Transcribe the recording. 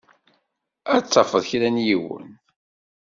Ad tafeḍ kra n yiwen.